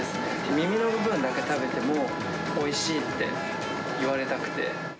耳の部分だけ食べてもおいしいって言われたくて。